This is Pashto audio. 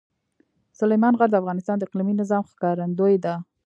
سلیمان غر د افغانستان د اقلیمي نظام ښکارندوی ده.